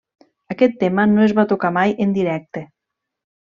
Aquest tema no es va tocar mai en directe.